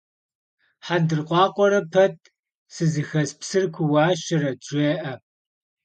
Hendırkhuakhuere pet «sızıxes psır kuuuaşeret» jjê'e.